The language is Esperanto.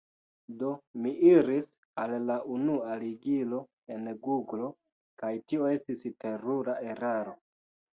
Do, mi iris al la unua ligilo en guglo kaj tio estis terura eraro.